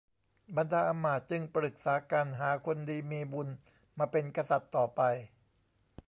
บรรดาอำมาตย์จึงปรึกษากันหาคนดีมีบุญมาเป็นกษัตริย์ต่อไป